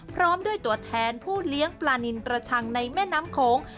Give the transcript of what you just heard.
พร้อมด้วยตัวแทนผู้เลี้ยงปลานินกระชังในแม่น้ำโขง